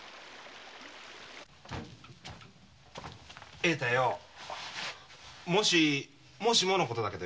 栄太よもしもしものことだけどよ。